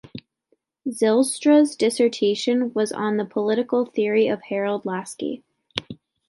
Zylstra's dissertation was on the political theory of Harold Laski.